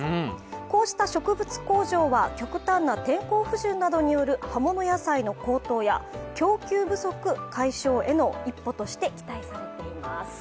こうした植物工場は、極端な天候不順などによる葉物野菜の高騰や供給不足解消への一歩として期待されています。